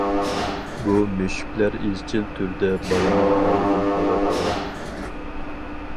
بۇ مۈشۈكلەر ئىزچىل تۈردە بالىنىڭ ھالىدىن خەۋەر ئالغان.